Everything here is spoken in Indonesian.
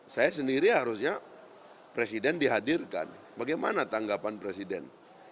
saya sendiri harusnya presiden dihadirkan bagaimana tanggapan presiden